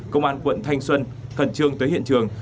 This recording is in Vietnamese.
công an quận thanh xuân khẩn trương tới hiện trường